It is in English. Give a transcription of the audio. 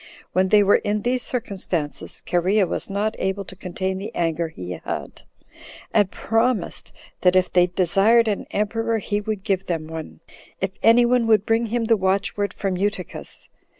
When they were in these circumstances, Cherea was not able to contain the anger he had, and promised, that if they desired an emperor, he would give them one, if any one would bring him the watchword from Eutychus.